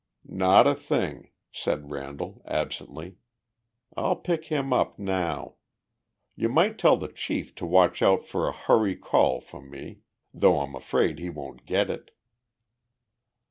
"Not a thing," said Randall, absently. "I'll pick him up now. You might tell the chief to watch out for a hurry call from me though I'm afraid he won't get it."